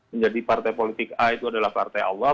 menjadi partai politik a itu adalah partai allah